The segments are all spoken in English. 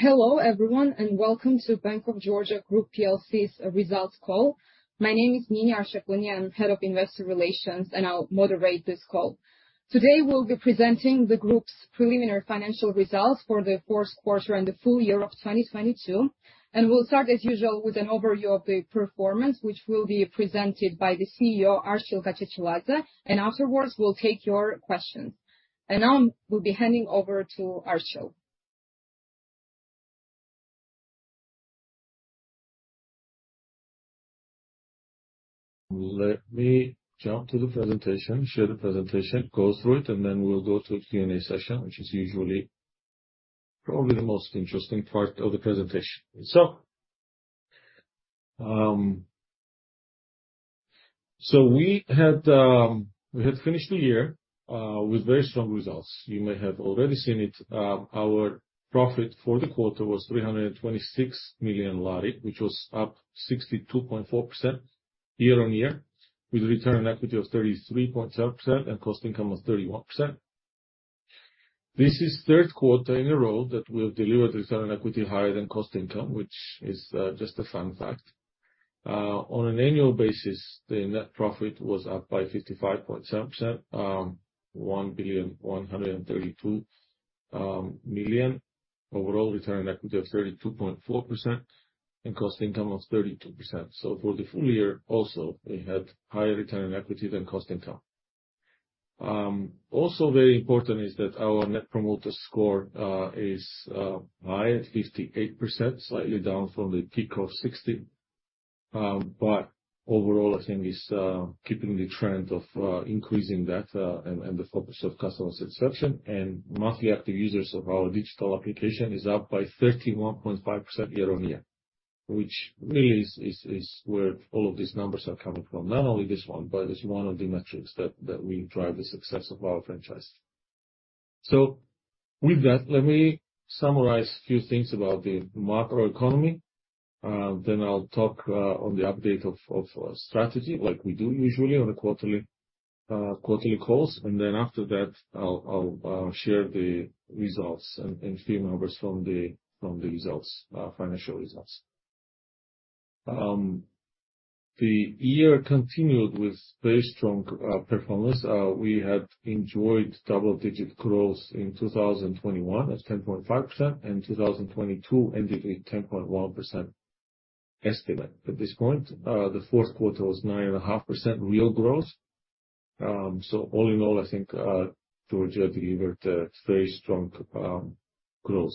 Hello everyone, welcome to Bank of Georgia Group PLC's results call. My name is Nini Arshakuni, I'm Head of Investor Relations, and I'll moderate this call. Today we'll be presenting the group's preliminary financial results for the fourth quarter and the full year of 2022. We'll start, as usual, with an overview of the performance, which will be presented by the CEO, Archil Gachechiladze, and afterwards, we'll take your questions. Now we'll be handing over to Archil. Let me jump to the presentation, share the presentation, go through it, and then we'll go to the Q&A session, which is usually probably the most interesting part of the presentation. We had finished the year with very strong results. You may have already seen it. Our profit for the quarter was GEL 326 million, which was up 62.4% year-on-year, with return on equity of 33.7% and cost income of 31%. This is third quarter in a row that we have delivered return on equity higher than cost income, which is just a fun fact. On an annual basis, the net profit was up by 55.7%, GEL 1,132 million. Overall return on equity of 32.4% and cost income of 32%. For the full year also, we had higher return on equity than cost income. Also very important is that our Net Promoter Score is high at 58%, slightly down from the peak of 60. Overall, I think is keeping the trend of increasing that and the focus of customer satisfaction. Monthly active users of our digital application is up by 31.5% year-on-year, which really is where all of these numbers are coming from. Not only this one, but it's one of the metrics that we drive the success of our franchise. With that, let me summarize few things about the macro economy. I'll talk on the update of strategy like we do usually on a quarterly calls. After that I'll share the results and few numbers from the results, financial results. The year continued with very strong performance. We had enjoyed double digit growth in 2021 at 10.5%, and 2022 ended with 10.1% estimate. At this point, the fourth quarter was 9.5% real growth. All in all, I think, Georgia delivered very strong growth.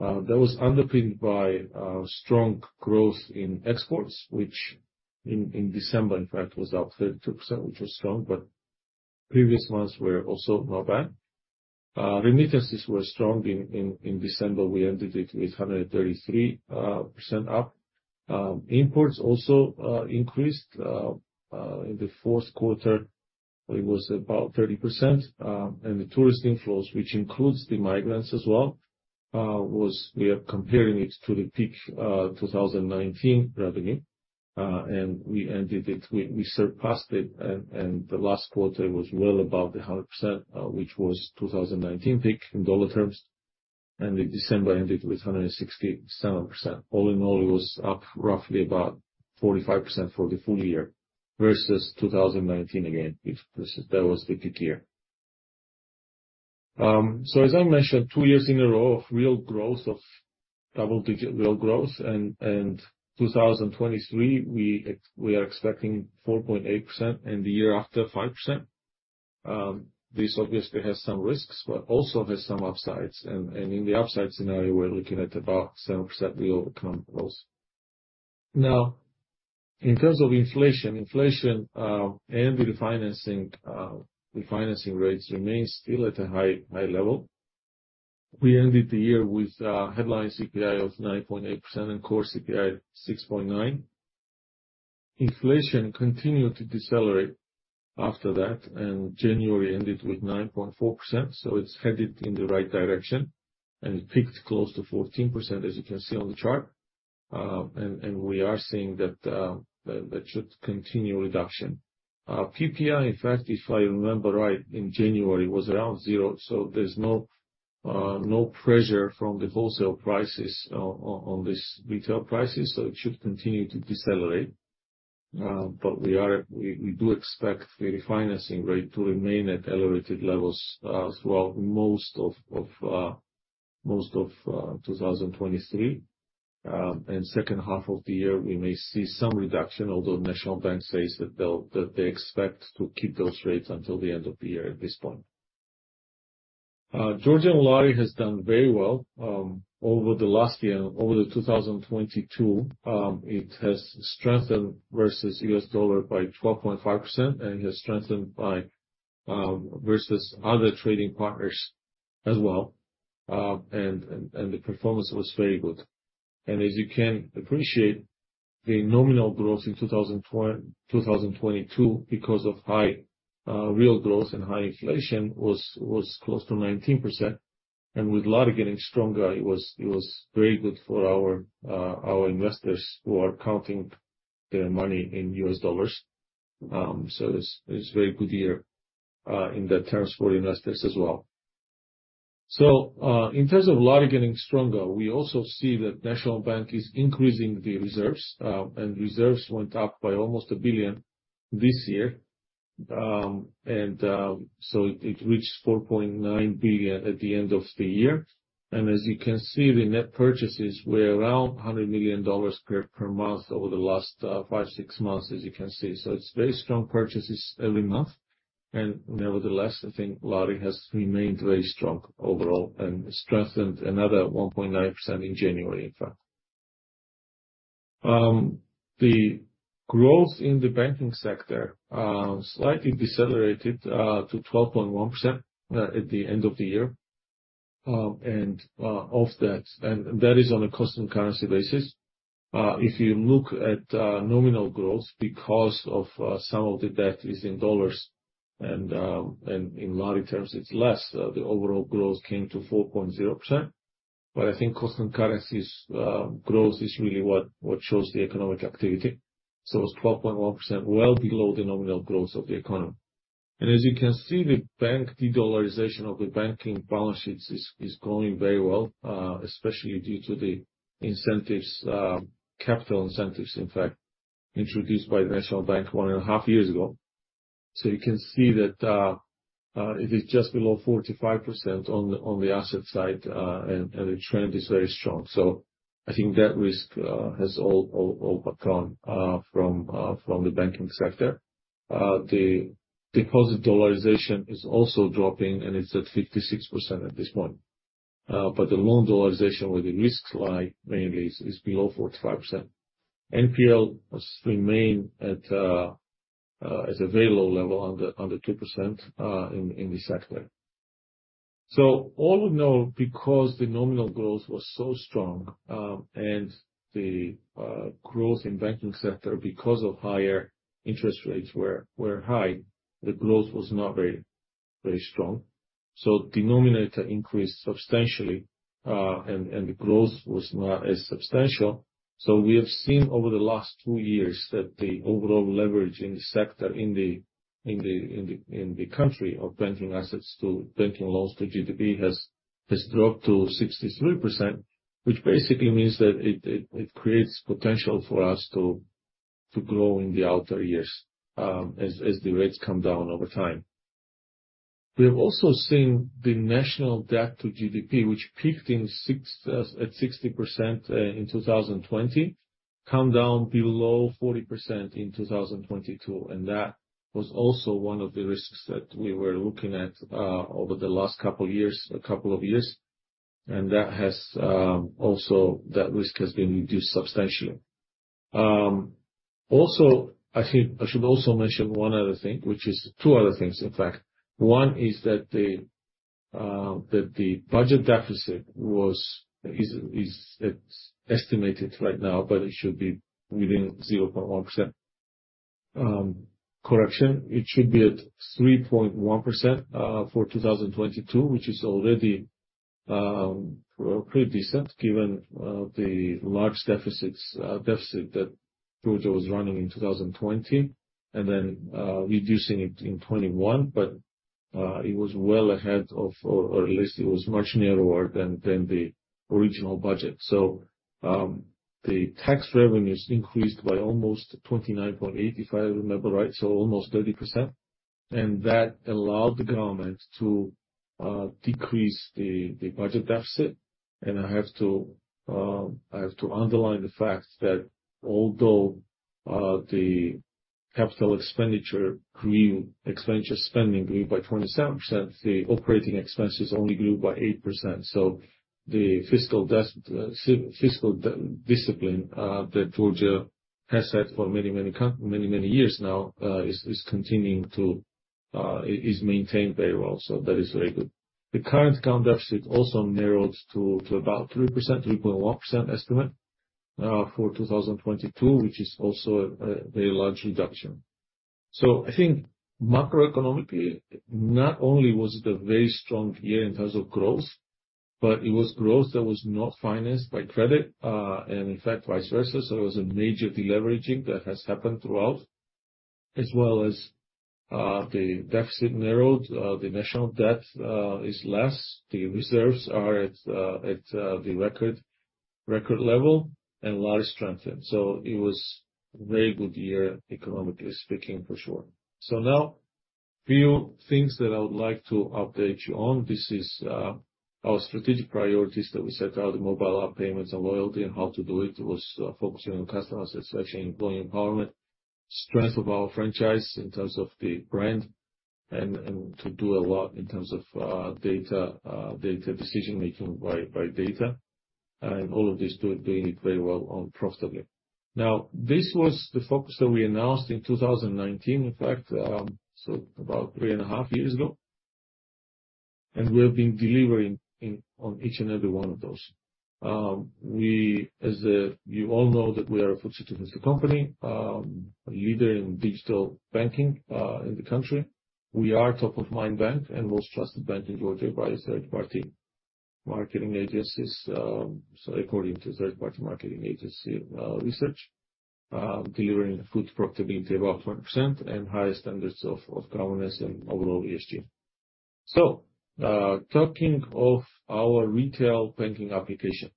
That was underpinned by strong growth in exports, which in December in fact was up 32%, which was strong, but previous months were also not bad. Remittances were strong in December, we ended it with 133% up. Imports also increased in the fourth quarter it was about 30%. The tourist inflows, which includes the migrants as well, was. We are comparing it to the peak 2019 revenue. We ended it. We surpassed it and the last quarter was well above the 100%, which was 2019 peak in dollar terms. In December ended with 167%. All in all, it was up roughly about 45% for the full year versus 2019 again, if that was the peak year. As I mentioned, two years in a row of real growth, of double-digit real growth and 2023, we are expecting 4.8%, and the year after 5%. This obviously has some risks but also has some upsides. In the upside scenario, we're looking at about 7% real growth. In terms of inflation. Inflation and the refinancing rates remain still at a high level. We ended the year with headline CPI of 9.8% and core CPI 6.9%. Inflation continued to decelerate after that, and January ended with 9.4%, so it's headed in the right direction. It peaked close to 14%, as you can see on the chart. We are seeing that should continue reduction. PPI, in fact, if I remember right in January, was around zero, so there's no no pressure from the wholesale prices on this retail prices, so it should continue to decelerate. We do expect the refinancing rate to remain at elevated levels throughout most of 2023. Second half of the year we may see some reduction, although National Bank says that they expect to keep those rates until the end of the year at this point. Georgian lari has done very well over the last year. Over 2022, it has strengthened versus U.S. dollar by 12.5% and has strengthened by versus other trading partners as well. The performance was very good. As you can appreciate, the nominal growth in 2022 because of high real growth and high inflation was close to 19%. With lari getting stronger, it was very good for our investors who are counting their money in U.S. dollars. It's very good year in the terms for investors as well. In terms of lari getting stronger, we also see that National Bank is increasing the reserves and reserves went up by almost GEL 1 billion this year. It reached GEL 4.9 billion at the end of the year. As you can see, the net purchases were around $100 million per month over the last five, six months, as you can see. It's very strong purchases every month. Nevertheless, I think lari has remained very strong overall and strengthened another 1.9% in January, in fact. The growth in the banking sector slightly decelerated to 12.1% at the end of the year. That is on a constant currency basis. If you look at nominal growth because of some of the debt is in U.S. dollars and in lari terms it's less. The overall growth came to 4.0%. I think constant currencies growth is really what shows the economic activity. It was 12.1%, well below the nominal growth of the economy. As you can see, the bank dedollarisation of the banking balance sheets is going very well, especially due to the incentives, capital incentives, in fact, introduced by National Bank one and a half years ago. You can see that it is just below 45% on the asset side, and the trend is very strong. I think that risk has all but gone from the banking sector. The deposit dollarization is also dropping, and it's at 56% at this point. The loan dollarization where the risks lie mainly is below 45%. NPL has remained at a very low level, under 2% in this sector. All in all, because the nominal growth was so strong, and the growth in banking sector, because of higher interest rates were high, the growth was not very, very strong. Denominator increased substantially, and the growth was not as substantial. We have seen over the last two years that the overall leverage in the sector in the country of banking assets to banking loans to GDP has dropped to 63%. Which basically means that it creates potential for us to grow in the outer years, as the rates come down over time. We have also seen the national debt to GDP, which peaked at 60% in 2020, come down below 40% in 2022. That was also one of the risks that we were looking at, over the last couple years, a couple of years. That has, also, that risk has been reduced substantially. Also, I think I should also mention one other thing, which is. Two other things, in fact. One is that the, that the budget deficit it's estimated right now, but it should be within 0.1%. Correction, it should be at 3.1% for 2022, which is already pretty decent given the large deficits, deficit that Georgia was running in 2020, and then reducing it in 2021. It was well ahead of, or at least it was much narrower than the original budget. The tax revenues increased by almost 29.8, if I remember right, almost 30%. That allowed the government to decrease the budget deficit. I have to underline the fact that although the capital expenditure grew, spending grew by 27%, the operating expenses only grew by 8%. The fiscal discipline that Georgia has had for many, many years now, is maintained very well. That is very good. The current account deficit also narrowed to about 3%, 3.1% estimate for 2022, which is also a very large reduction. I think macroeconomically, not only was it a very strong year in terms of growth, but it was growth that was not financed by credit, and in fact vice versa. It was a major deleveraging that has happened throughout. As well as, the deficit narrowed, the national debt is less, the reserves are at the record level and lari strengthened. It was very good year economically speaking, for sure. Now, few things that I would like to update you on. This is our strategic priorities that we set out, the mobile app, payments and loyalty and how to do it. It was focusing on customers and especially employee empowerment. Strength of our franchise in terms of the brand and to do a lot in terms of data decision making by data. All of these doing it very well on profitably. This was the focus that we announced in 2019, in fact, so about three and a half years ago. We have been delivering on each and every one of those. We all know that we are a footage company, a leader in digital banking in the country. We are top of mind bank and most trusted bank in Georgia by third party marketing agencies. According to third party marketing agency research, delivering good profitability above 1% and high standards of governance and overall ESG. Talking of our retail banking application,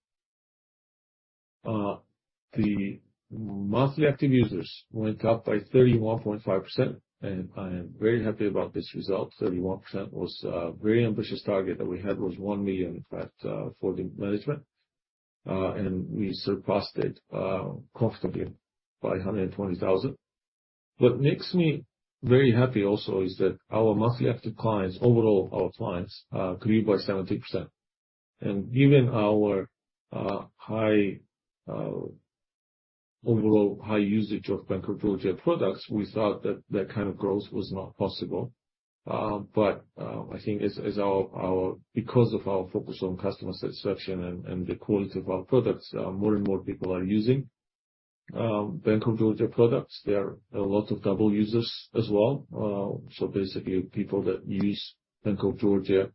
the monthly active users went up by 31.5%, and I am very happy about this result. 31% was a very ambitious target that we had, was GEL 1 million, in fact, for the management. We surpassed it comfortably by GEL 120,000. What makes me very happy also is that our monthly active clients, overall our clients, grew by 17%. Given our high overall high usage of Bank of Georgia products, we thought that that kind of growth was not possible. I think it's our because of our focus on customer satisfaction and the quality of our products, more and more people are using Bank of Georgia products. There are a lot of double users as well. Basically people that use Bank of Georgia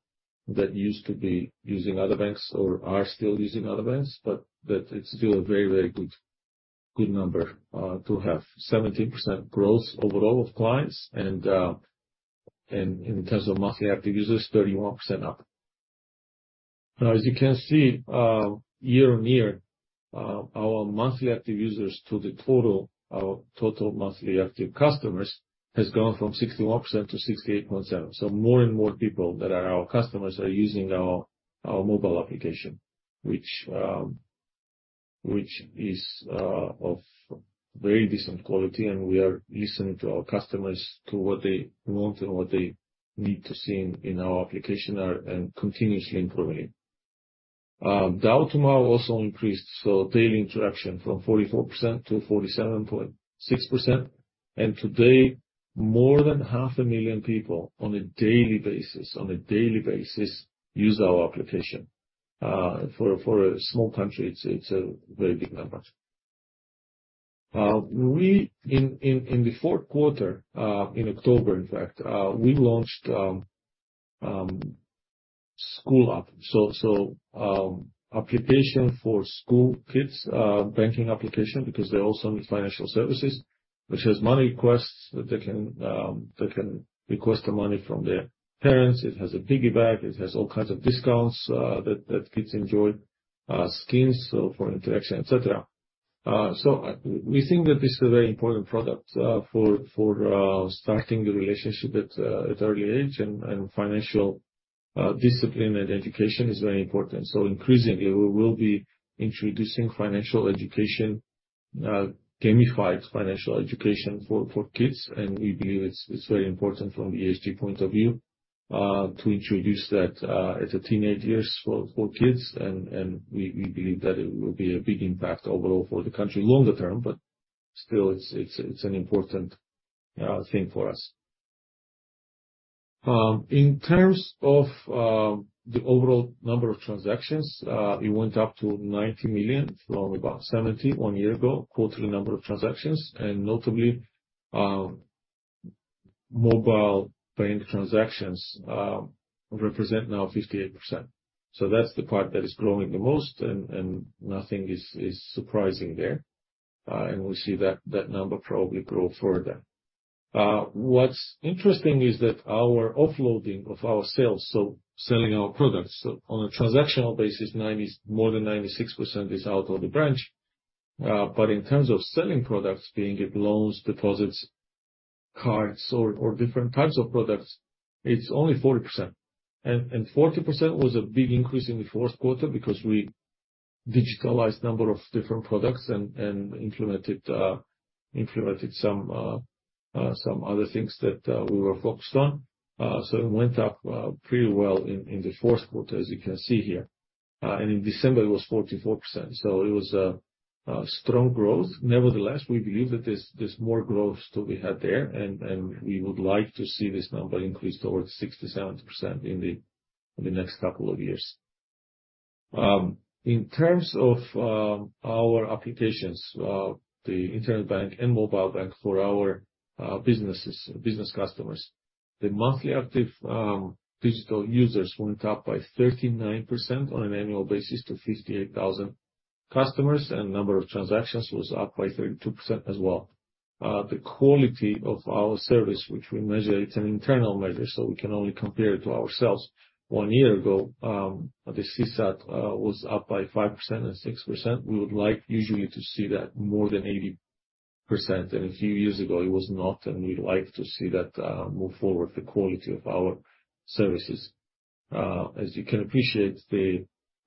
that used to be using other banks or are still using other banks, but that it's still a very good number to have. 17% growth overall of clients and in terms of monthly active users, 31% up. As you can see, year-on-year, our monthly active users to the total monthly active customers has gone from 61% to 68.7%. More and more people that are our customers are using our mobile application, which is of very decent quality and we are listening to our customers to what they want and what they need to see in our application and continuously improving. The automa also increased, daily interaction from 44% to 47.6%. Today, more than half a million people on a daily basis use our application. For a small country, it's a very big number. In the fourth quarter, in October in fact, we launched sCoolApp. Application for school kids, banking application, because they also need financial services. Which has money requests that they can request the money from their parents. It has a piggy bank. It has all kinds of discounts that kids enjoy, schemes for interaction, et cetera. We think that this is a very important product for starting the relationship at early age and financial discipline and education is very important. Increasingly we will be introducing financial education, gamified financial education for kids. We believe it's very important from an ESG point of view to introduce that at the teenage years for kids. We believe that it will be a big impact overall for the country longer term. Still it's an important thing for us. In terms of the overall number of transactions, it went up to 90 million from about 70 one year ago, quarterly number of transactions. Notably, mobile bank transactions represent now 58%. That's the part that is growing the most and nothing is surprising there. We see that number probably grow further. What's interesting is that our offloading of our sales, so selling our products. On a transactional basis, more than 96% is out of the branch. In terms of selling products, being it loans, deposits, cards or different types of products, it's only 40%. 40% was a big increase in the fourth quarter because we digitalized number of different products and implemented some other things that we were focused on. It went up pretty well in the fourth quarter as you can see here. In December it was 44%, so it was a strong growth. Nevertheless, we believe that there's more growth to be had there. We would like to see this number increase towards 60%-70% in the next couple of years. In terms of our applications, the internet bank and mobile bank for our businesses, business customers. The monthly active digital users went up by 39% on an annual basis to 58,000 customers, and number of transactions was up by 32% as well. The quality of our service, which we measure, it's an internal measure, so we can only compare it to ourselves. One year ago, the CSAT was up by 5% and 6%. We would like usually to see that more than 80%. A few years ago, it was not, and we'd like to see that move forward the quality of our services. As you can appreciate,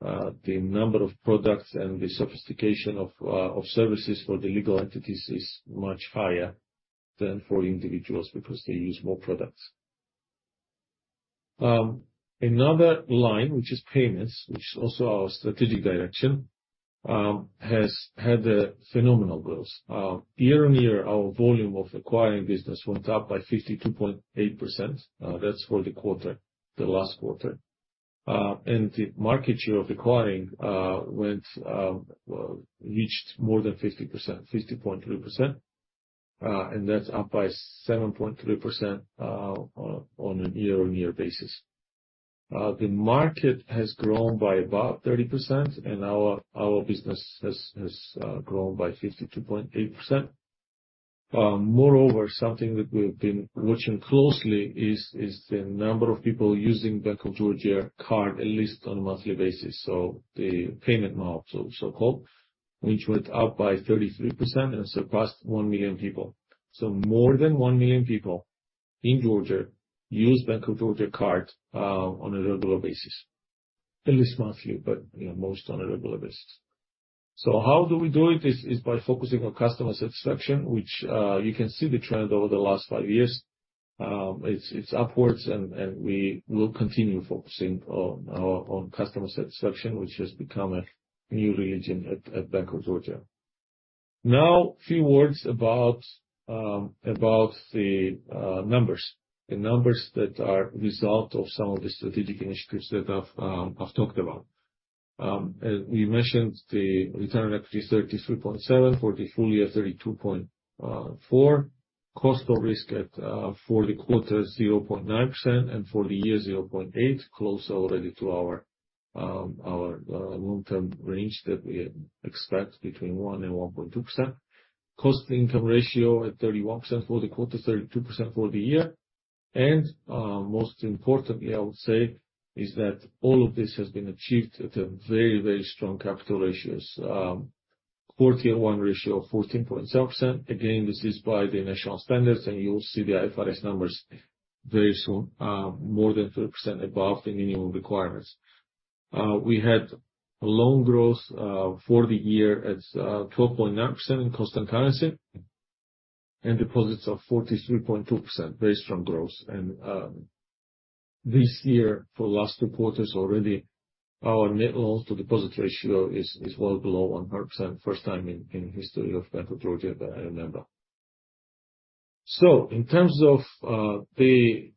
the number of products and the sophistication of services for the legal entities is much higher than for individuals because they use more products. Another line, which is payments, which is also our strategic direction, has had a phenomenal growth. Year-over-year, our volume of acquiring business went up by 52.8%. That's for the quarter, the last quarter. The market share of acquiring went, reached more than 50%, 50.3%. That's up by 7.3% on a year-over-year basis. The market has grown by about 30%, and our business has grown by 52.8%. Moreover, something that we've been watching closely is the number of people using Bank of Georgia card at least on a monthly basis. The payment now so-called, which went up by 33% and surpassed 1 million people. More than 1 million people in Georgia use Bank of Georgia card on a regular basis. At least monthly, but, you know, most on a regular basis. How do we do it is by focusing on customer satisfaction, which you can see the trend over the last five years. It's upwards, and we will continue focusing on customer satisfaction, which has become a new religion at Bank of Georgia. Now few words about the numbers. The numbers that are a result of some of the strategic initiatives that I've talked about. We mentioned the return equity is 33.7%. For the full year, 32.4%. Cost of risk for the quarter, 0.9%, and for the year, 0.8%, close already to our long-term range that we expect between 1% and 1.2%. Cost income ratio at 31% for the quarter, 32% for the year. Most importantly, I would say, is that all of this has been achieved at a very strong capital ratios. Core Tier 1 ratio of 14.7%. Again, this is by the national standards, and you'll see the IFRS numbers very soon, more than 3% above the minimum requirements. We had loan growth for the year at 12.9% in constant currency, and deposits of 43.2%, very strong growth. This year for last two quarters already, our net loan to deposit ratio is well below 100%, first time in history of Bank of Georgia that I remember. In terms of the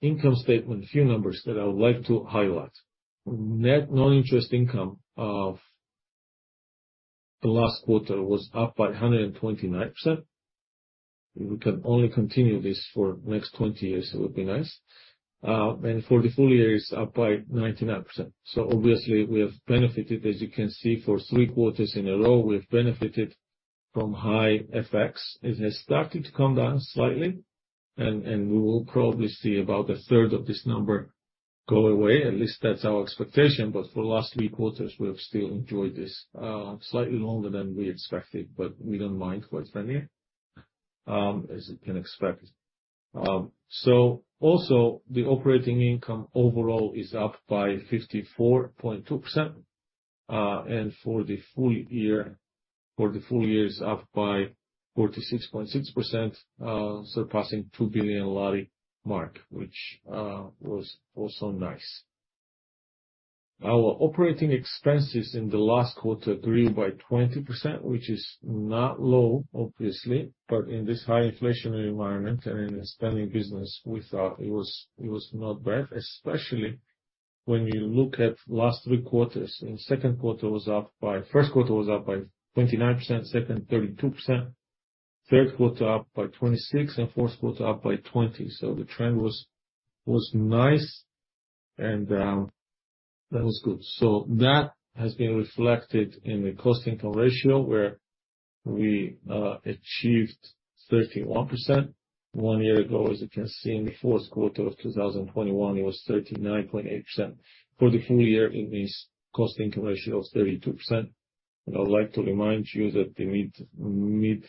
income statement, few numbers that I would like to highlight. Net non-interest income of the last quarter was up by 129%. If we can only continue this for next 20 years, it would be nice. For the full year, it's up by 99%. Obviously we have benefited, as you can see, for three quarters in a row, we've benefited from high FX. It has started to come down slightly. We will probably see about a third of this number go away. At least that's our expectation. For the last three quarters, we have still enjoyed this slightly longer than we expected, but we don't mind quite frankly, as you can expect. Also the operating income overall is up by 54.2%. For the full year, for the full year, it's up by 46.6%, surpassing GEL 2 billion mark, which was also nice. Our operating expenses in the last quarter grew by 20%, which is not low obviously, but in this high inflationary environment and in the spending business, we thought it was not bad, especially when you look at last three quarters, and second quarter was up by, first quarter was up by 29%, second 32%, third quarter up by 26%, and fourth quarter up by 20%. The trend was nice and that was good. That has been reflected in the cost income ratio, where we achieved 31%. One year ago, as you can see in the fourth quarter of 2021, it was 39.8%. For the full year, it means cost income ratio of 32%. I would like to remind you that the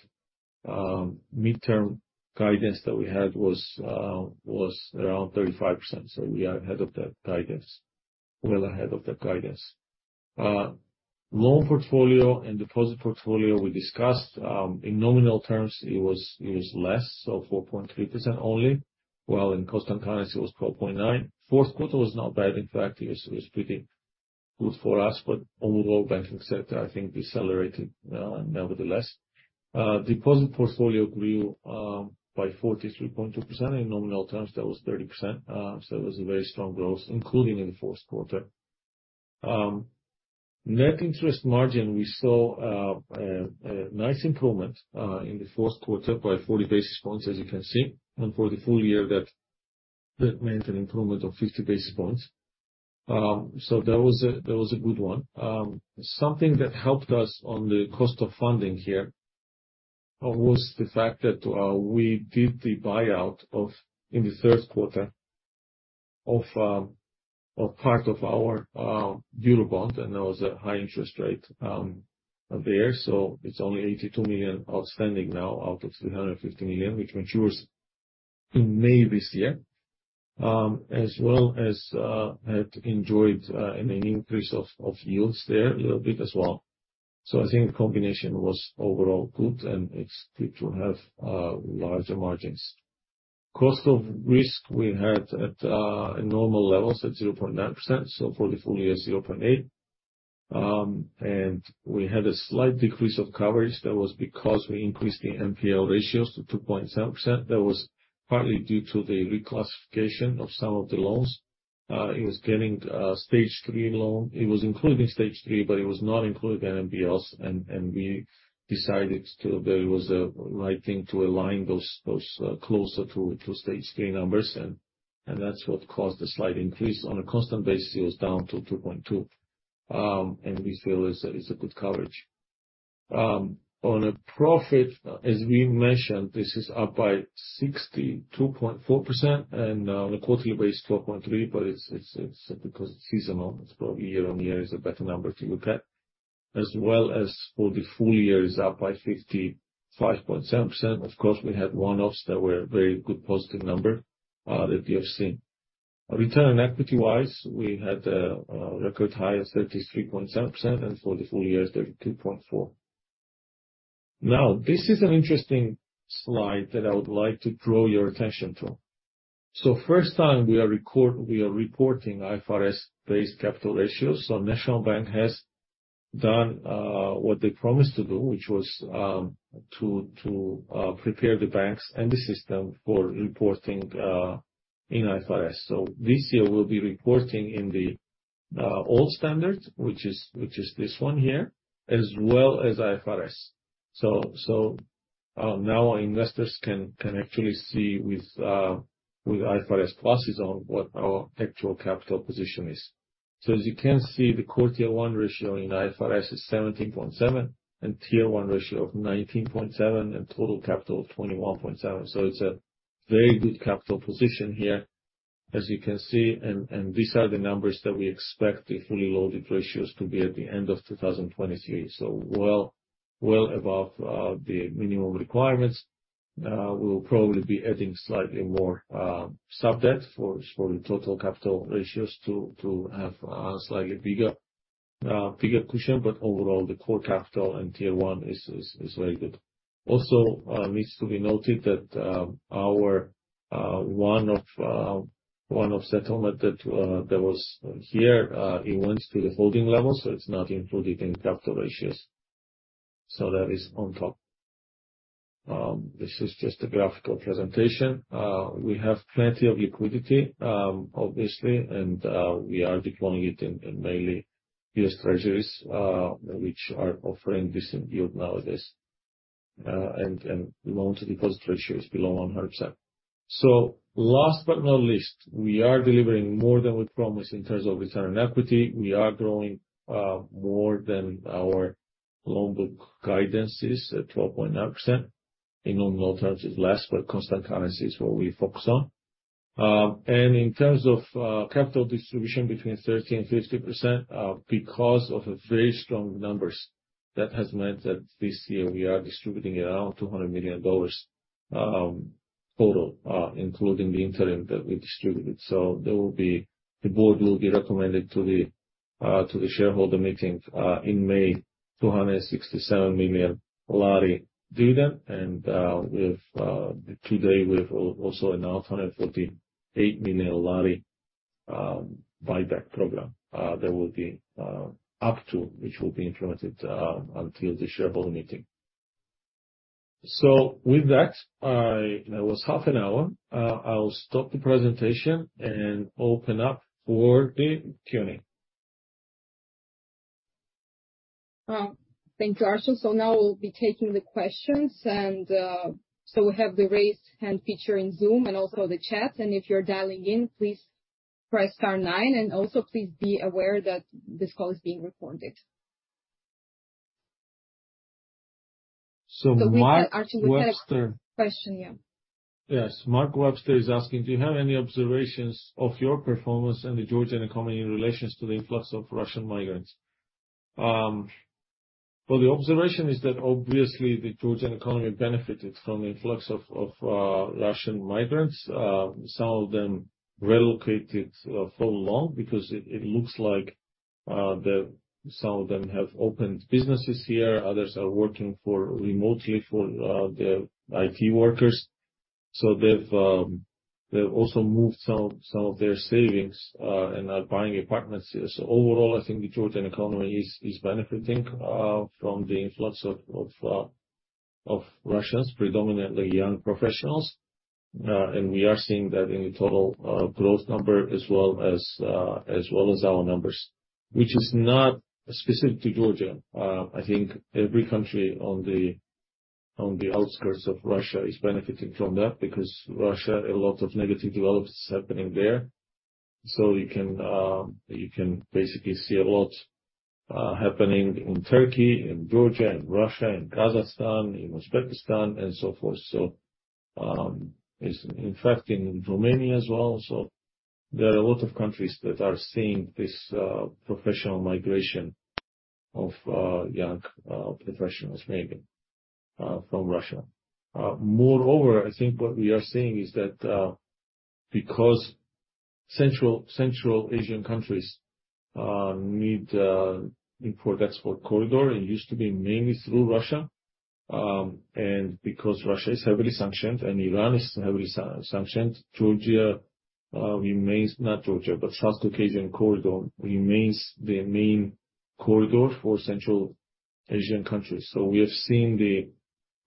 midterm guidance that we had was around 35%. We are ahead of that guidance. Well ahead of that guidance. Loan portfolio and deposit portfolio we discussed, in nominal terms it was less, so 4.3% only, while in constant currency it was 12.9%. Fourth quarter was not bad. In fact, it was pretty good for us, but overall banking sector I think decelerated, nevertheless. Deposit portfolio grew by 43.2%. In nominal terms, that was 30%. It was a very strong growth, including in the fourth quarter. Net interest margin, we saw a nice improvement in the fourth quarter by 40 basis points, as you can see. For the full year that meant an improvement of 50 basis points. That was a good one. Something that helped us on the cost of funding here, was the fact that we did the buyout of in the third quarter of part of our dealer bond, and there was a high interest rate there. It's only $82 million outstanding now out of $350 million, which matures in May this year. As well as had enjoyed an increase of yields there a little bit as well. I think the combination was overall good and it's good to have larger margins. Cost of risk we had at normal levels at 0.9%. For the full year, 0.8%. We had a slight decrease of coverage. That was because we increased the NPL ratios to 2.7%. That was partly due to the reclassification of some of the loans. It was getting a Stage 3 loan. It was included in Stage 3, but it was not included in NPLs, and we decided to, that it was the right thing to align those closer to Stage 3 numbers, and that's what caused a slight increase. On a constant basis, it was down to 2.2%, and we feel it's a good coverage. On a profit, as we mentioned, this is up by 62.4%, and on a quarterly basis, 12.3%, but it's because it's seasonal. It's probably year-over-year is a better number to look at. As well as for the full year, it's up by 55.7%. Of course, we had one-offs that were a very good positive number that we have seen. Return on equity-wise, we had a record high of 33.7%, and for the full year, it's 32.4%. This is an interesting slide that I would like to draw your attention to. First time we are reporting IFRS-based capital ratios. National Bank has done what they promised to do, which was to prepare the banks and the system for reporting in IFRS. This year we'll be reporting in the old standards, which is this one here, as well as IFRS. Now investors can actually see with IFRS classes on what our actual capital position is. As you can see, the Core Tier 1 ratio in IFRS is 17.7%, and Tier 1 ratio of 19.7%, and total capital of 21.7%. It's a very good capital position here, as you can see, and these are the numbers that we expect the fully loaded ratios to be at the end of 2023. Well above the minimum requirements. We'll probably be adding slightly more sub debt for the total capital ratios to have a slightly bigger cushion. Overall, the core capital and Tier I is very good. Also, needs to be noted that our one-off settlement that was here, it went to the holding level, so it's not included in capital ratios. That is on top. This is just a graphical presentation. We have plenty of liquidity, obviously, and we are deploying it in mainly U.S. Treasuries, which are offering decent yield nowadays. Loan-to-deposit ratio is below 100%. Last but not least, we are delivering more than we promised in terms of return on equity. We are growing more than our loan book guidance is, at 12.9%. In nominal terms, it's less, but constant currency is what we focus on. In terms of capital distribution between 30% and 50%, because of very strong numbers, that has meant that this year we are distributing around $200 million, total, including the interim that we distributed. There will be. The Board will be recommended to the shareholder meeting in May GEL 267 million dividend. Today we've also announced GEL 148 million buyback program. That will be up to, which will be implemented until the shareholder meeting. With that, I. That was half an hour. I'll stop the presentation and open up for the Q&A. thank you, Archil. now we'll be taking the questions. we have the raise hand feature in Zoom and also the chat. if you're dialing in, please press star nine. also please be aware that this call is being recorded. Mark Webster Archil, we have a question here. Yes. Mark Webster is asking, do you have any observations of your performance and the Georgian economy in relations to the influx of Russian migrants? Well, the observation is that obviously the Georgian economy benefited from the influx of Russian migrants. Some of them relocated for long because it looks like that some of them have opened businesses here. Others are working remotely for the IT workers. They've also moved some of their savings and are buying apartments here. Overall, I think the Georgian economy is benefiting from the influx of Russians, predominantly young professionals. We are seeing that in the total growth number as well as our numbers, which is not specific to Georgia. I think every country on the, on the outskirts of Russia is benefiting from that because Russia, a lot of negative developments happening there. You can, you can basically see a lot happening in Turkey, in Georgia, in Russia, in Kazakhstan, in Uzbekistan, and so forth. It's infecting Romania as well. There are a lot of countries that are seeing this professional migration of young professionals maybe from Russia. Moreover, I think what we are seeing is that because Central Asian countries need import export corridor, it used to be mainly through Russia. Because Russia is heavily sanctioned and Iran is heavily sanctioned, Georgia remains the main corridor for Central Asian countries.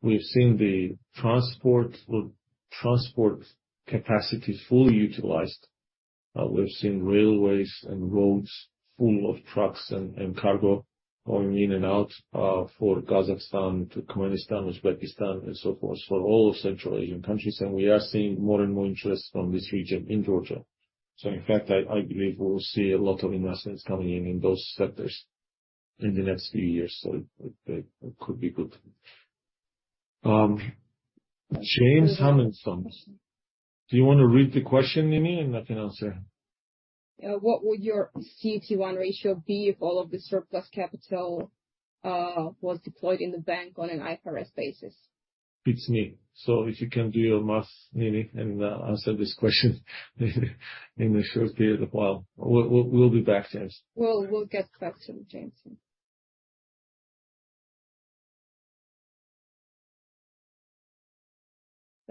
We've seen the transport or transport capacity fully utilized. We've seen railways and roads full of trucks and cargo going in and out for Kazakhstan to Turkmenistan, Uzbekistan, and so forth, for all of Central Asian countries. We are seeing more and more interest from this region in Georgia. In fact, I believe we'll see a lot of investments coming in in those sectors in the next few years, so it could be good. James Hammonds. Do you wanna read the question, Nini, and I can answer? What would your CET1 ratio be if all of the surplus capital was deployed in the bank on an IFRS basis? Beats me. If you can do your math, Nini, and answer this question in a short period of time. We'll be back to James. We'll get back to you, James.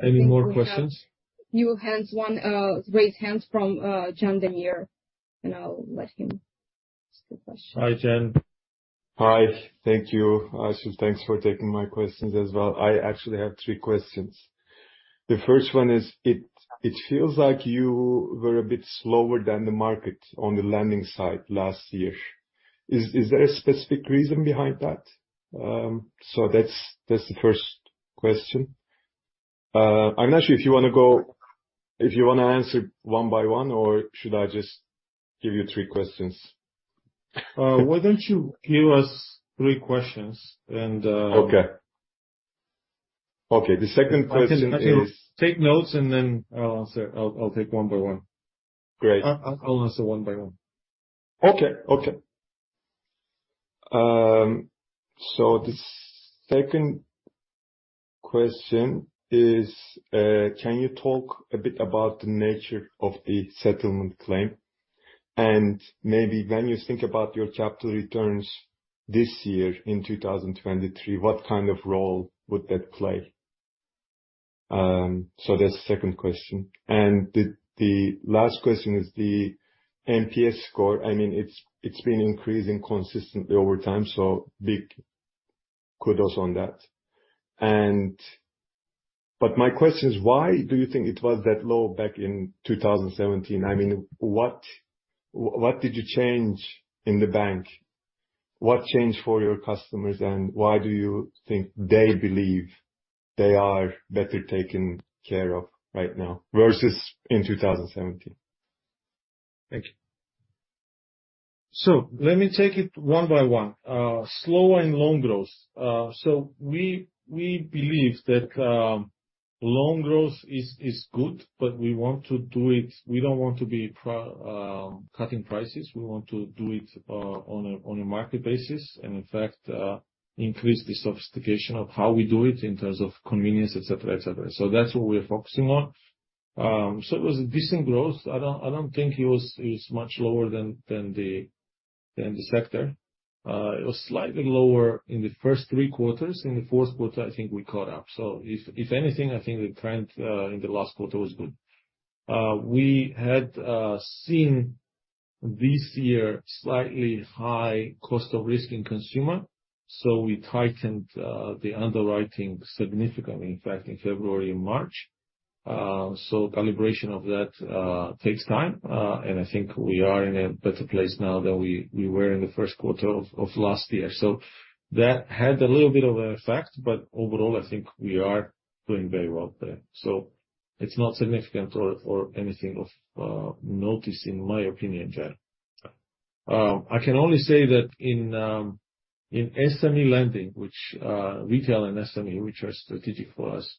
Any more questions? You have one, raised hand from, Can Demir. I'll let him ask the question. Hi, Can. Hi. Thank you. Archil, thanks for taking my questions as well. I actually have three questions. The first one is, it feels like you were a bit slower than the market on the lending side last year. Is there a specific reason behind that? That's the first question. I'm not sure if you wanna answer one by one, or should I just give you three questions? Why don't you give us three questions? Okay. The second question. I can take notes, and then I'll answer. I'll take one by one. Great. I'll answer one by one. Okay, okay. The second question is, can you talk a bit about the nature of the settlement claim? Maybe when you think about your capital returns this year in 2023, what kind of role would that play? That's the second question. The last question is the NPS score. I mean, it's been increasing consistently over time, so big kudos on that. My question is, why do you think it was that low back in 2017? I mean, what did you change in the bank? What changed for your customers, and why do you think they believe they are better taken care of right now versus in 2017? Thank you. Let me take it one by one. Slow and loan growth. We believe that loan growth is good, but we want to do it. We don't want to be cutting prices. We want to do it, on a market basis, and in fact, increase the sophistication of how we do it in terms of convenience, et cetera, et cetera. That's what we're focusing on. It was a decent growth. I don't think it was much lower than the sector. It was slightly lower in the first three quarters. In the fourth quarter, I think we caught up. If anything, I think the trend in the last quarter was good. We had seen this year slightly high cost of risk in consumer, so we tightened the underwriting significantly, in fact, in February and March. Calibration of that takes time, and I think we are in a better place now than we were in the first quarter of last year. That had a little bit of a effect, but overall, I think we are doing very well there. It's not significant or anything of notice in my opinion, Can. I can only say that in SME lending, which retail and SME, which are strategic for us.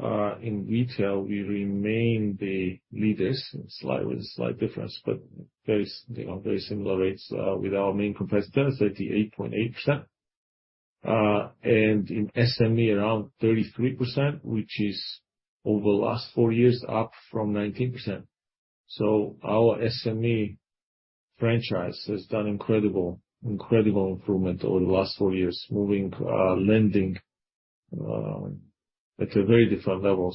In retail, we remain the leaders in slight, with a slight difference, but very you know, very similar rates with our main competitor, 38.8%. In SME, around 33%, which is over the last four years, up from 19%. Our SME franchise has done incredible improvement over the last four years, moving lending at a very different level.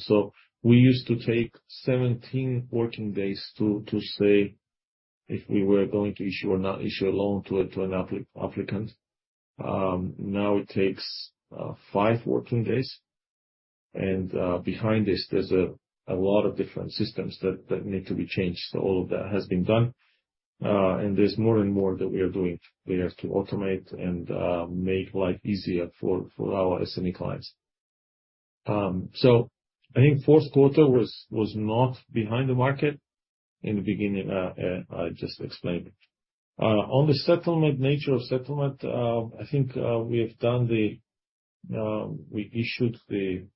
We used to take 17 working days to say if we were going to issue or not issue a loan to an applicant. Now it takes five working days. Behind this, there's a lot of different systems that need to be changed. All of that has been done. There's more and more that we are doing. We have to automate and make life easier for our SME clients. I think fourth quarter was not behind the market in the beginning. I just explained. On the settlement, nature of settlement, I think we issued the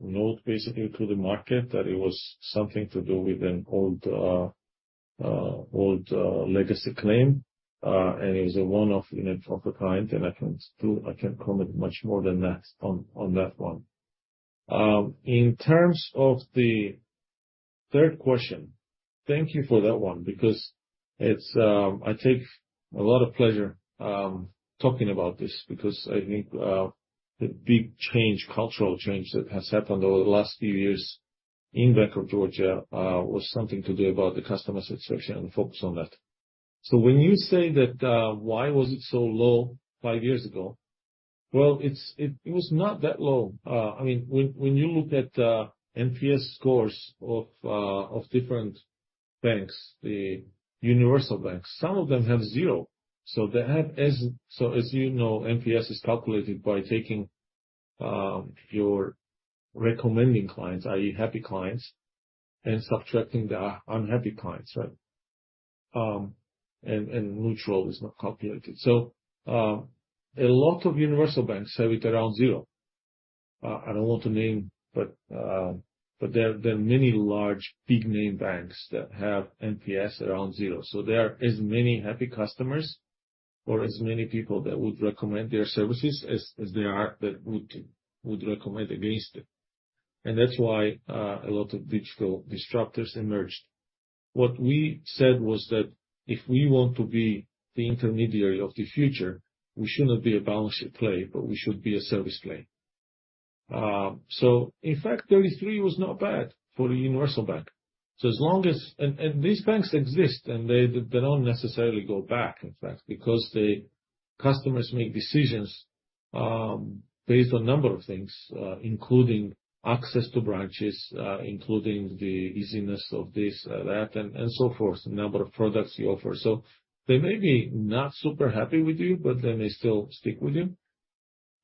note basically to the market that it was something to do with an old legacy claim, and it was a one-off unit of a kind, and I can't comment much more than that on that one. In terms of the third question, thank you for that one because it's I take a lot of pleasure talking about this because I think the big change, cultural change that has happened over the last few years in Bank of Georgia, was something to do about the customer satisfaction and focus on that. When you say that, why was it so low five years ago? Well, it was not that low. I mean, when you look at NPS scores of different banks, the universal banks, some of them have zero. As you know, NPS is calculated by taking your recommending clients, i.e., happy clients, and subtracting the unhappy clients, right? Neutral is not calculated. A lot of universal banks have it around zero. I don't want to name, but there are many large big name banks that have NPS around zero. There are as many happy customers or as many people that would recommend their services as there are that would recommend against it. That's why a lot of digital disruptors emerged. What we said was that if we want to be the intermediary of the future, we should not be a balance sheet play, but we should be a service play. In fact, 33 was not bad for a universal bank. As long as these banks exist, and they don't necessarily go back, in fact, because customers make decisions, based on a number of things, including access to branches, including the easiness of this, that, and so forth, the number of products you offer. They may be not super happy with you, they still stick with you.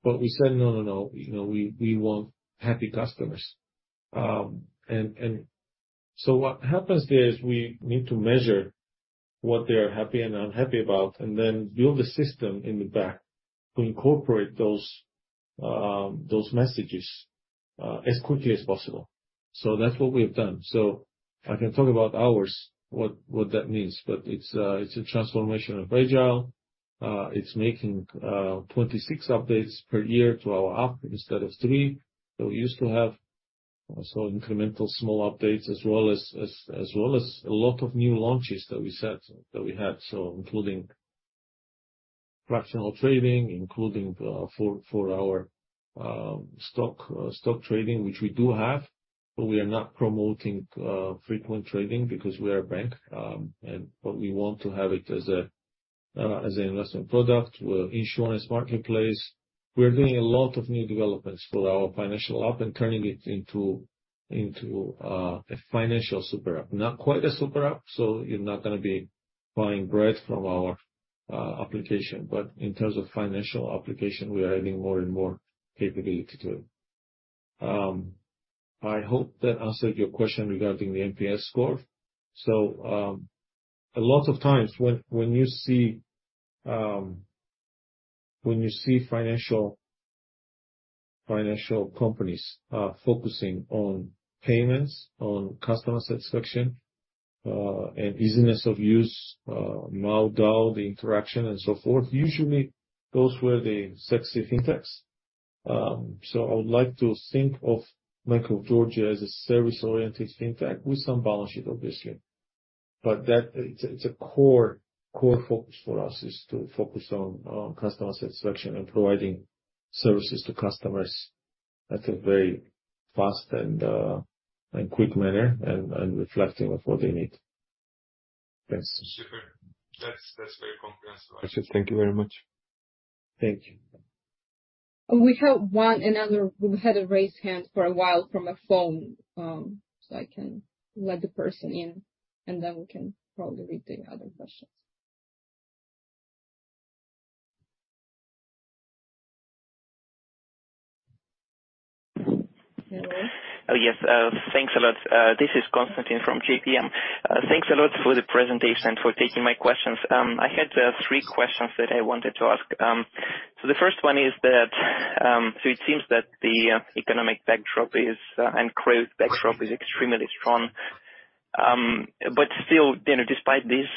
We said, "No, no. You know, we want happy customers. What happens there is we need to measure what they are happy and unhappy about, and then build a system in the back to incorporate those messages as quickly as possible. That's what we have done. I can talk about hours, what that means, but it's a transformation of agile. It's making 26 updates per year to our app instead of three that we used to have. Also incremental small updates as well as a lot of new launches that we had. Including fractional trading, including for our stock trading, which we do have, but we are not promoting frequent trading because we are a bank. We want to have it as an investment product. We have Insurance Marketplace. We're doing a lot of new developments for our financial app and turning it into a financial super app. Not quite a super app, so you're not gonna be buying bread from our application. In terms of financial application, we are adding more and more capability to it. I hope that answered your question regarding the NPS score. A lot of times when you see financial companies focusing on payments, on customer satisfaction, and easiness of use, [mild dial], the interaction and so forth, usually those were the sexy fintechs. I would like to think of Bank of Georgia as a service-oriented fintech with some balance sheet, obviously. It's a core focus for us, is to focus on customer satisfaction and providing services to customers at a very fast and quick manner and reflecting of what they need. Yes. Super. That's very comprehensive answer. Thank you very much. Thank you. We've had a raised hand for a while from a phone, so I can let the person in, and then we can probably read the other questions. Hello? Yes. Thanks a lot. This is Constantine from JPM. Thanks a lot for the presentation, for taking my questions. I had three questions that I wanted to ask. The first one is that it seems that the economic backdrop and growth backdrop is extremely strong. Still, you know, despite this,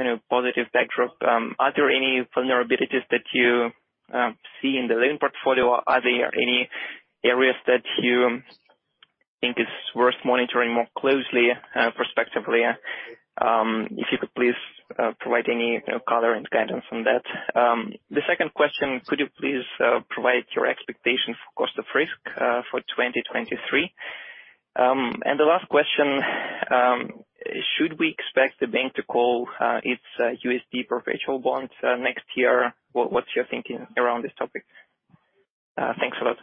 you know, positive backdrop, are there any vulnerabilities that you see in the loan portfolio? Are there any areas that you think is worth monitoring more closely, prospectively? If you could please provide any color and guidance on that. The second question, could you please provide your expectation for cost of risk for 2023? The last question, should we expect the bank to call its USD perpetual bonds next year? What's your thinking around this topic? Thanks a lot.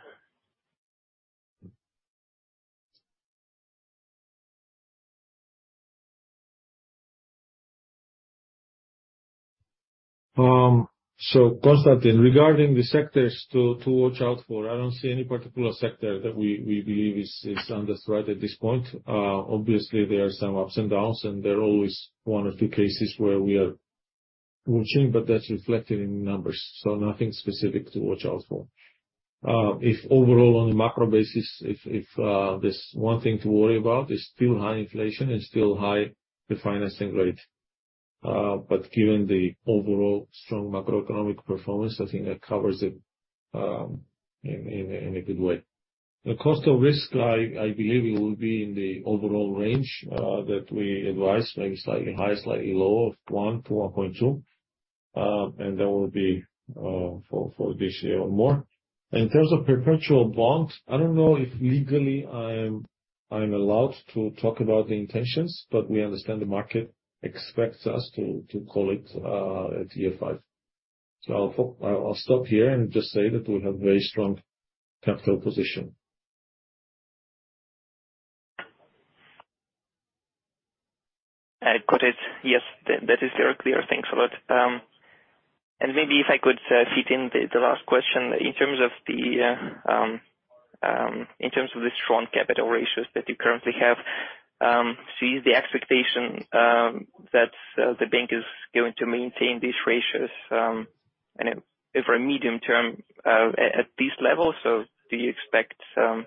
Constantine, regarding the sectors to watch out for, I don't see any particular sector that we believe is under threat at this point. Obviously, there are some ups and downs, and there are always one or two cases where we are watching, but that's reflected in numbers. Nothing specific to watch out for. If overall on a macro basis, if there's one thing to worry about, it's still high inflation and still high refinancing rate. Given the overall strong macroeconomic performance, I think that covers it in a good way. The cost of risk, I believe it will be in the overall range that we advise, maybe slightly high, slightly low of 1 to 1.2. And there will be for this year or more. In terms of perpetual bonds, I don't know if legally I am, I'm allowed to talk about the intentions, but we understand the market expects us to call it at year five. I'll stop here and just say that we have very strong capital position. Got it. Yes. That is very clear. Thanks a lot. Maybe if I could fit in the last question. In terms of the strong capital ratios that you currently have, is the expectation that the bank is going to maintain these ratios and over a medium term at this level? Do you expect some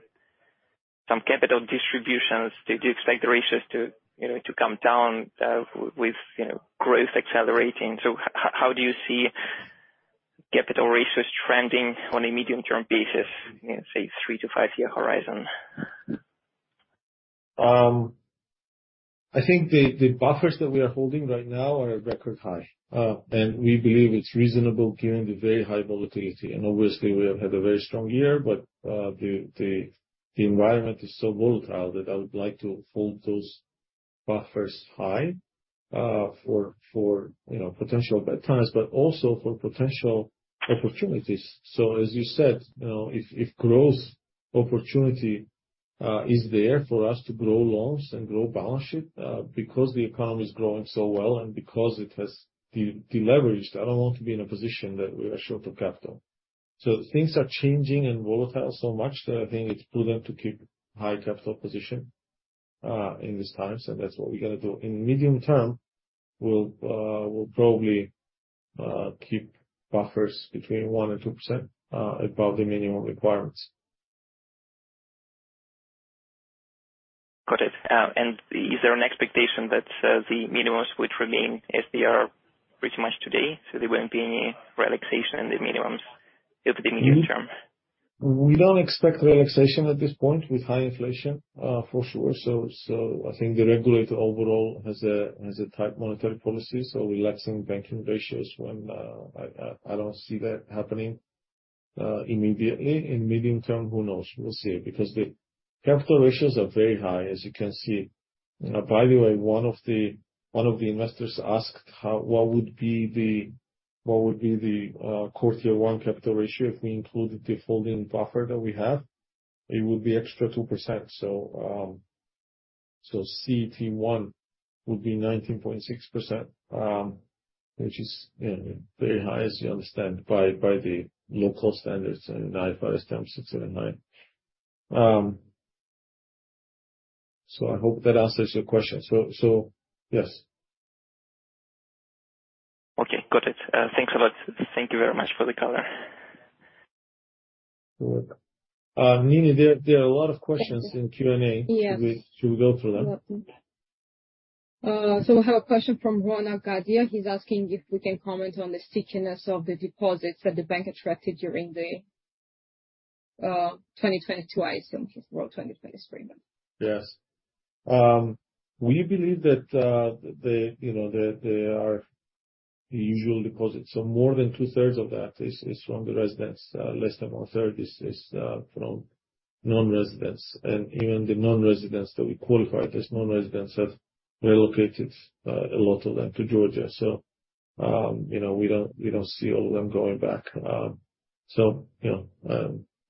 capital distributions? Do you expect the ratios to, you know, to come down with, you know, growth accelerating? How do you see capital ratios trending on a medium term basis, you know, say three to five year horizon? I think the buffers that we are holding right now are at record high. We believe it's reasonable given the very high volatility. Obviously we have had a very strong year, but the environment is so volatile that I would like to hold those buffers high for, you know, potential bad times, but also for potential opportunities. As you said, you know, if growth opportunity is there for us to grow loans and grow balance sheet, because the economy is growing so well and because it has deleveraged, I don't want to be in a position that we are short of capital. Things are changing and volatile so much that I think it's prudent to keep high capital position in these times, and that's what we're gonna do. In the medium term, we'll probably keep buffers between 1% and 2% above the minimum requirements. Got it. Is there an expectation that, the minimums would remain as they are pretty much today, so there won't be any relaxation in the minimums over the medium term? We don't expect relaxation at this point with high inflation, for sure. I think the regulator overall has a tight monetary policy. Relaxing banking ratios, I don't see that happening immediately. In medium term, who knows? We'll see. The capital ratios are very high, as you can see. By the way, one of the investors asked what would be the Core Tier 1 capital ratio if we included the folding buffer that we have. It would be extra 2%. CET1 would be 19.6%, which is, you know, very high as you understand by the local standards and IFRS 9. I hope that answers your question. Yes. Okay. Got it. Thanks a lot. Thank you very much for the color. Nini, there are a lot of questions in Q&A. Yes. Should we go through them? We have a question from Ronald Gardia. He's asking if we can comment on the stickiness of the deposits that the bank attracted during the 2022 item. Well, 2023 now. Yes. We believe that our usual deposits. More than two-thirds of that is from the residents. Less than one-third is from non-residents. Even the non-residents that we qualify as non-residents have relocated a lot of them to Georgia. We don't see all of them going back.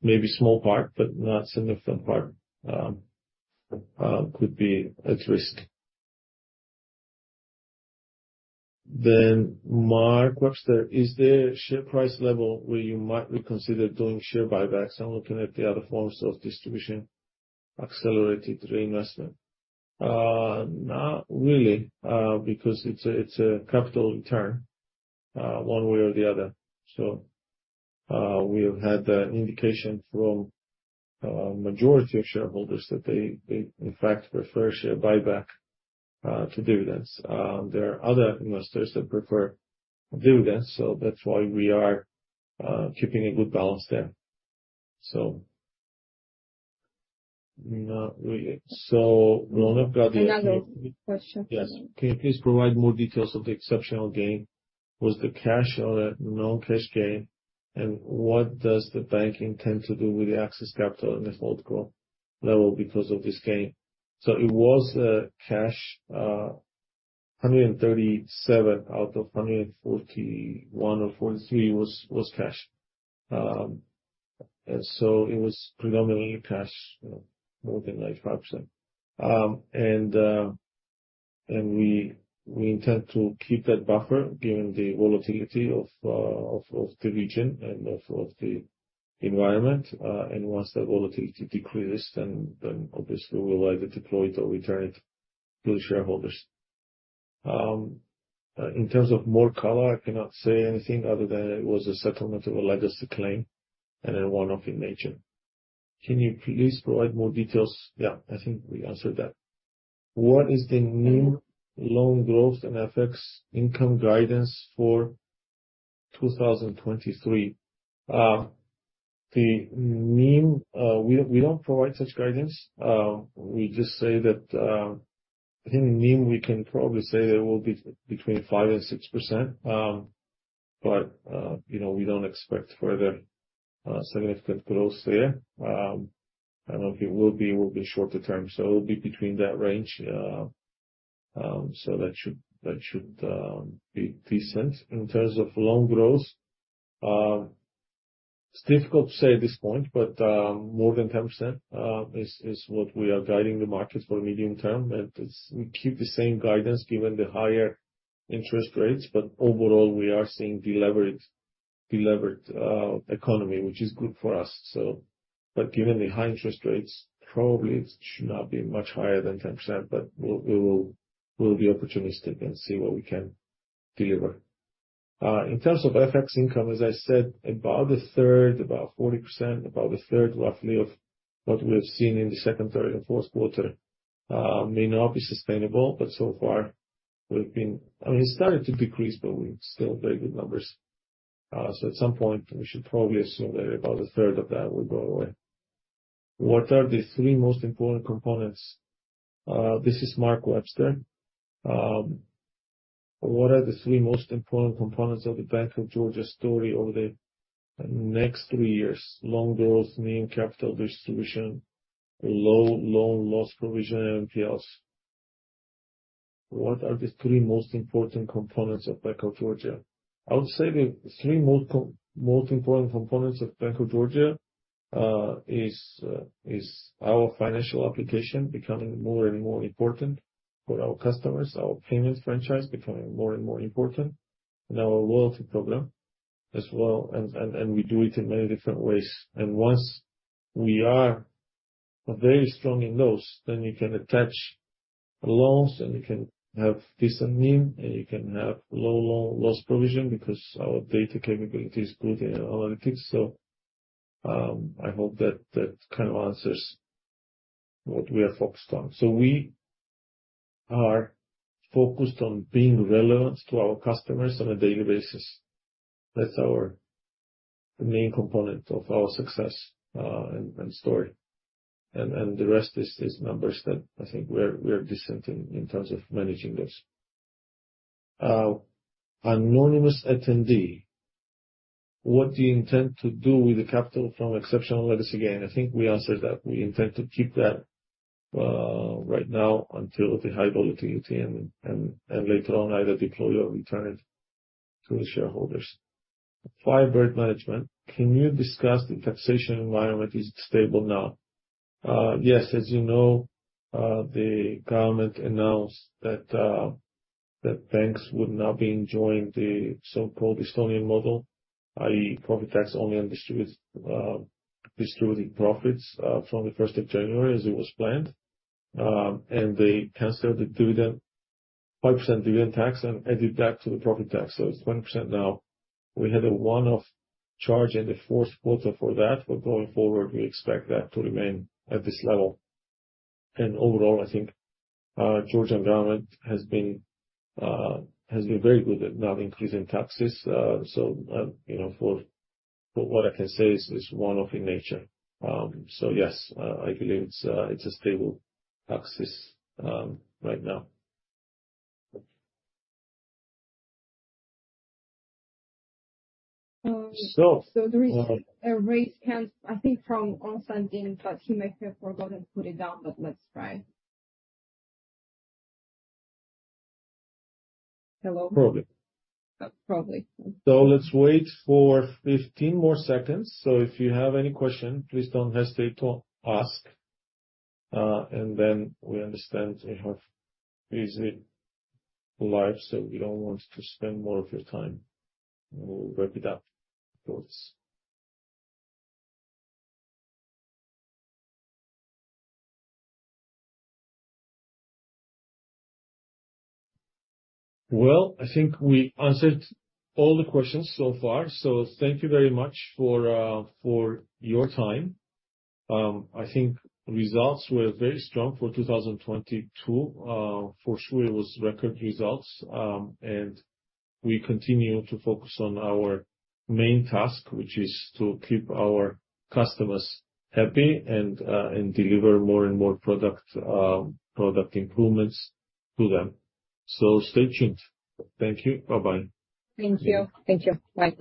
Maybe small part, but not significant part could be at risk. Mark Webster. Is there a share price level where you might reconsider doing share buybacks and looking at the other forms of distribution, accelerated reinvestment? Not really, because it's a capital return one way or the other. We have had the indication from a majority of shareholders that they in fact prefer share buyback to dividends. There are other investors that prefer dividends, so that's why we are keeping a good balance there. Not really. Ronald Gardia. Another question. Yes. Can you please provide more details of the exceptional gain? Was the cash or a non-cash gain? What does the bank intend to do with the excess capital in the forward growth level because of this gain? It was cash. 137 out of 141 or 43 was cash. It was predominantly cash, you know, more than 95%. We intend to keep that buffer given the volatility of the region and of the environment. Once the volatility decreases, then obviously we'll either deploy it or return it to the shareholders. In terms of more color, I cannot say anything other than it was a settlement of a legacy claim and a one-off in nature. Can you please provide more details? Yeah, I think we answered that. What is the new loan growth and FX income guidance for 2023? The NIM, we don't provide such guidance. We just say that in NIM, we can probably say that it will be between 5% and 6%. You know, we don't expect further significant growth there. I know it will be shorter term. It'll be between that range. That should be decent. In terms of loan growth, it's difficult to say at this point, more than 10% is what we are guiding the markets for medium term. We keep the same guidance given the higher interest rates. Overall, we are seeing deleveraged economy, which is good for us. Given the high interest rates, probably it should not be much higher than 10%, but we'll be opportunistic and see what we can deliver. In terms of FX income, as I said, about a third, about 40%, about a third roughly of what we've seen in the second, third and fourth quarter, may not be sustainable. So far we've been, I mean, it started to decrease, but we still have very good numbers. So at some point we should probably assume that about a third of that will go away. What are the three most important components? This is Mark Webster. What are the three most important components of the Bank of Georgia story over the next three years? Loan growth, NIM, capital distribution, low loan loss provision, NPLs. What are the three most important components of Bank of Georgia? I would say the three most important components of Bank of Georgia is our financial application becoming more and more important for our customers, our payments franchise becoming more and more important, and our loyalty program as well. We do it in many different ways. Once we are very strong in those, then we can attach loans and we can have decent NIM, and you can have low loan loss provision because our data capability is good in analytics. I hope that kind of answers what we are focused on. We are focused on being relevant to our customers on a daily basis. That's our main component of our success and story. The rest is numbers that I think we are decent in terms of managing those. Anonymous attendee. What do you intend to do with the capital from exceptional legacy gain? I think we answered that. We intend to keep that right now until the high volatility and later on either deploy or return it to the shareholders. Firebird Management. Can you discuss the taxation environment? Is it stable now? Yes. As you know, the government announced that banks would now be enjoying the so-called Estonian model, i.e., profit tax only on distributing profits from the first of January as it was planned. They canceled the dividend, 5% dividend tax and added that to the profit tax. It's 20% now. We had a one-off charge in the fourth quarter for that, going forward we expect that to remain at this level. Overall, I think Georgian government has been very good at not increasing taxes. You know, for what I can say is one-off in nature. Yes, I believe it's a stable taxes right now. There is a raised hand, I think from Constantine, but he may have forgotten to put it down, but let's try. Hello? Probably. Probably. Let's wait for 15 more seconds. If you have any question, please don't hesitate to ask. We understand you have busy life, so we don't want to spend more of your time. We'll wrap it up. Of course. I think we answered all the questions so far. Thank you very much for your time. I think results were very strong for 2022. For sure it was record results. We continue to focus on our main task, which is to keep our customers happy and deliver more and more product improvements to them. Stay tuned. Thank you. Bye-bye. Thank you. Thank you. Bye.